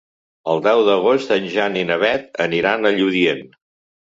El deu d'agost en Jan i na Beth aniran a Lludient.